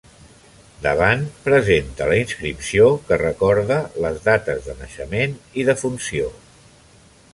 Davant presenta la inscripció que recorda les dates del naixement i defunció.